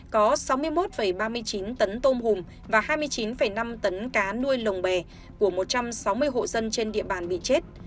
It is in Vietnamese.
có sáu mươi một ba mươi chín tấn tôm hùm và hai mươi chín năm tấn cá nuôi lồng bè của một trăm sáu mươi hộ dân trên địa bàn bị chết